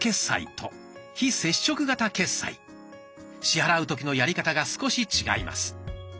支払う時のやり方が少し違います。